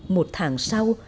một tháng sau